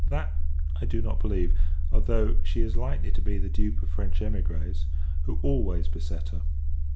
That, I do not believe; although she is likely to be the dupe of French emigrés, who always beset her.